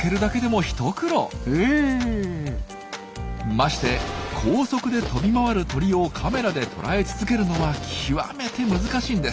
まして高速で飛び回る鳥をカメラで捉え続けるのはきわめて難しいんです。